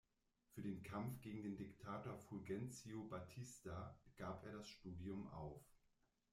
Für den Kampf gegen Diktator Fulgencio Batista gab er das Studium auf.